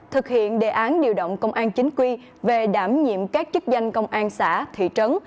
thực hiện đề án điều động công an chính quy về đảm nhiệm các chức danh công an xã thị trấn